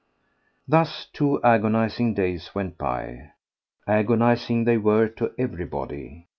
Thus two agonizing days went by; agonizing they were to everybody.